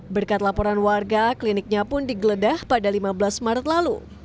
berkat laporan warga kliniknya pun digeledah pada lima belas maret lalu